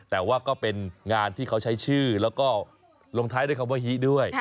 แต่ว่าก็เป็นงานที่เขาใช้ชื่อแล้วก็ลงท้ายด้วยคำว่าฮีด้วย